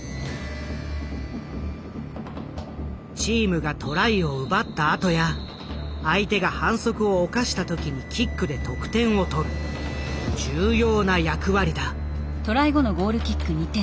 チームがトライを奪ったあとや相手が反則を犯した時にキックで得点を取る重要な役割だ。